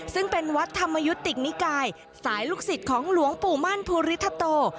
ซึ่งเป็นวัดธรรมยุติกนิกายสายลูกศิษย์ของหลวงปู่มั่นภูริทโต